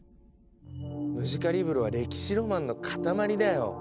ムジカリブロは歴史ロマンの塊だよ。